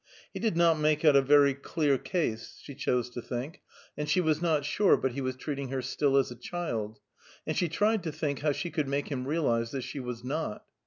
He did not make out a very clear case, she chose to think, and she was not sure but he was treating her still as a child, and she tried to think how she could make him realize that she was not.